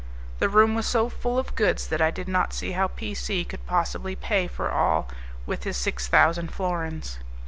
The room was so full of goods that I did not see how P C could possibly pay for all with his six thousand florins.